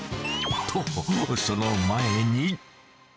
と、その前に。